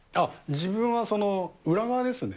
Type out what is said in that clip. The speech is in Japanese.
自分は裏側ですね。